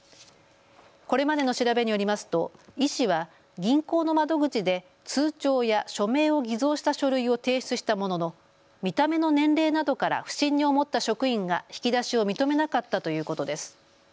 これまでの調べによりますと医師は銀行の窓口で通帳や署名を偽造した書類を提出したものの見た目の年齢などから不審に思った職員が引き出しを認めなかったということです。